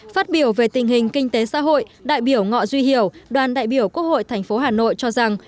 phát biểu về tình hình kinh tế xã hội đại biểu ngọ duy hiểu đoàn đại biểu quốc hội tp hà nội cho rằng